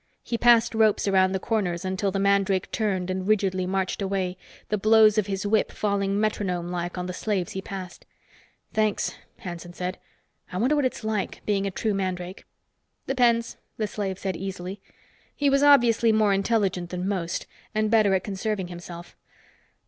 He passed ropes around the corners until the mandrake turned and rigidly marched away, the blows of his whip falling metronome like on the slaves he passed. "Thanks," Hanson said "I wonder what it's like, being a true mandrake?" "Depends," the slave said easily. He was obviously more intelligent than most, and better at conserving himself.